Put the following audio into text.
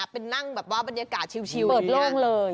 เป็นนั่งบรรยากาศชิลอย่างนี้